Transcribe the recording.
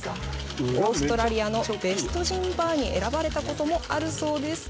オーストラリアのベストジンバーに選ばれたこともあるそうです。